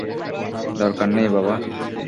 দরকার নেই বাবা।